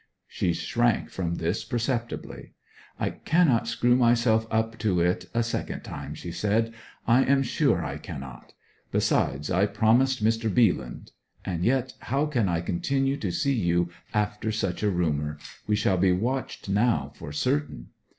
She shrank from this perceptibly. 'I cannot screw myself up to it a second time,' she said. 'I am sure I cannot! Besides, I promised Mr. Bealand. And yet how can I continue to see you after such a rumour? We shall be watched now, for certain.'